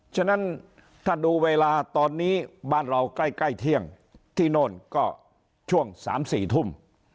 ฉะนั้นถ้าดูเวลาตอนนี้บ้านเราใกล้เที่ยงที่โน่นก็ช่วง๓๔ทุ่ม